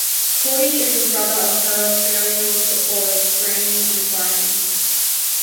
Cordy is the brother of fellow Australian rules footballers Graeme and Brian.